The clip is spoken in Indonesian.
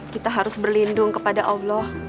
kita harus berlindung kepada allah